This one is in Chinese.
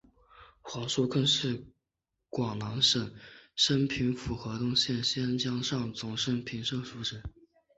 黄叔沆是广南省升平府河东县仙江上总盛平社出生。